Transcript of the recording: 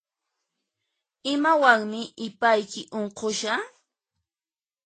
Imawanmi ipayki unqushan?